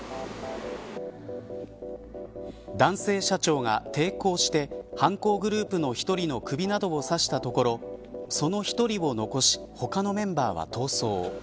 男性社長が抵抗して犯行グループの１人の首などを刺したところその１人を残し他のメンバーは逃走。